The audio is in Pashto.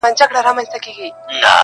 ټولو وویل دا تشي افسانې دي -